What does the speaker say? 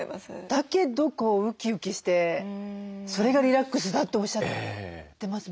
だけどウキウキしてそれがリラックスだとおっしゃってます